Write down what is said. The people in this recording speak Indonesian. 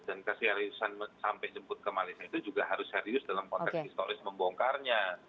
dan keseriusan sampai jemput ke malaysia itu juga harus serius dalam konteks historis membongkarnya